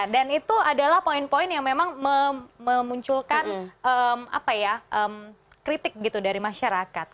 dan itu adalah poin poin yang memang memunculkan kritik dari masyarakat